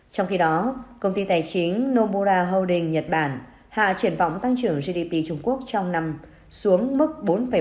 trong khi đó công ty tài chính nobora holding nhật bản hạ triển vọng tăng trưởng gdp trung quốc trong năm xuống mức bốn bảy